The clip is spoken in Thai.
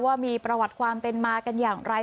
ว่ามีประวัติความเป็นมากันอย่างไร